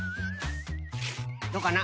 どうかな？